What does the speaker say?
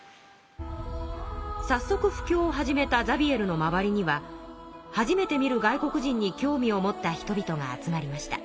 さっそく布教を始めたザビエルの周りには初めて見る外国人に興味を持った人々が集まりました。